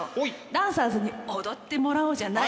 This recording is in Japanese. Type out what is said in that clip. ダンサーズに踊ってもらおうじゃないの。